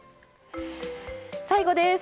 最後です。